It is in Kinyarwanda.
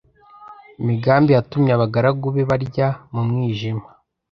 Migambi yatumye abagaragu be barya mu mwijima.